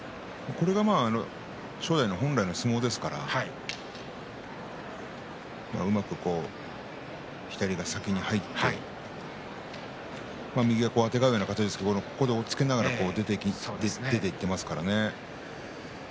これが正代の本来の相撲ですからうまく左が先に入って右をあてがうような形ですが押っつけながら出ていっていますからね。